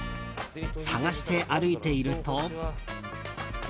探して歩いていると。